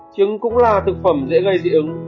trứng cũng là thực phẩm dễ gây dị ứng